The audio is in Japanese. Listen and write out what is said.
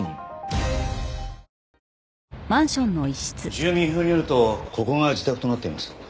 住民票によるとここが自宅となっています。